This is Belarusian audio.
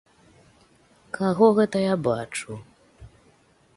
Каго гэта я бачу?